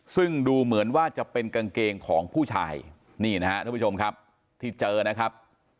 ซึ่งดูเหมือนว่าจะเป็นกางเกงของผู้ชายนี่นะครับที่เจอนะครับ